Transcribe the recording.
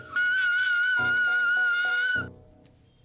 oke kita ambil biar cepet